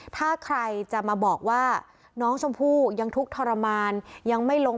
ถ้าใครจะมาบอกว่าน้องจมภู่ยังทุกข์ทรมาน